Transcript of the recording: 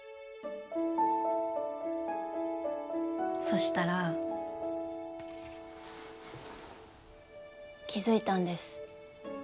そしたら気づいたんです。